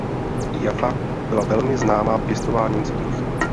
Jaffa byla velmi známá pěstováním citrusů.